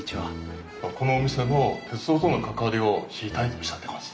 このお店の鉄道との関わりを知りたいとおっしゃってます。